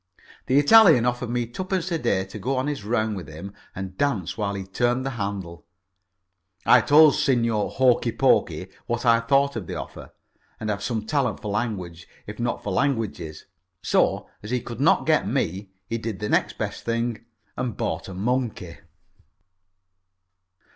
The Italian offered me twopence a day to go on his round with him and dance while he turned the handle. I told Signor Hokey pokey what I thought of the offer, and I have some talent for language, if not for languages. So, as he could not get me, he did the next best thing and bought a monkey.